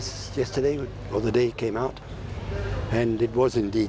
สันติภาพที่เกิดขึ้นกว่านี้